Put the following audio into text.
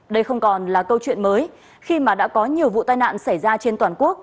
đây không còn là câu chuyện mới khi mà đã có nhiều vụ tai nạn xảy ra trên toàn quốc